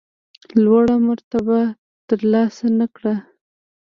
لوړه مرتبه ترلاسه نه کړه.